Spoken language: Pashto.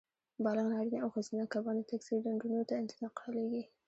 بالغ نارینه او ښځینه کبان د تکثیر ډنډونو ته انتقالېږي.